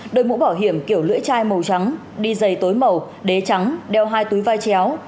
đội mũ bảo hiểm kiểu lưỡi chai màu trắng đi dày tối màu đế trắng đeo hai túi vai chéo